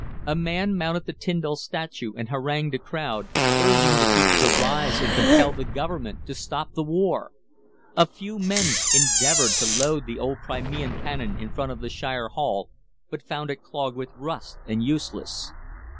A man mounted the Tindal statue and harangued the crowd, urging the people to rise and compel the Government to stop the war. A few young men endeavoured to load the old Crimean cannon in front of the Shire Hall, but found it clogged with rust and useless.